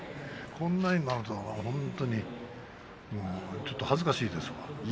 こんなになるとは本当にちょっと恥ずかしいですわ。